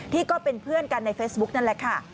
ก็เป็นเพื่อนกันในเฟซบุ๊กนั่นแหละค่ะ